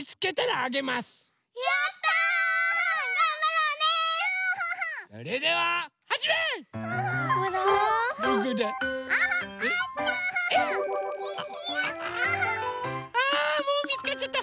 あもうみつかっちゃった。